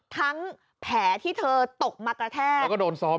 ทั้งแผลที่เธอตกมะกระแทบ